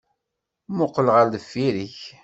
Muqel ɣer deffir-k!